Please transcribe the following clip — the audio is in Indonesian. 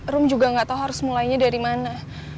rom juga gak tau harus mulainya dari mana